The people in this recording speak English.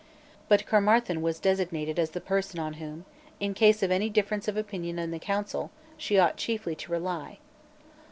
But Caermarthen was designated as the person on whom, in case of any difference of opinion in the council, she ought chiefly to rely.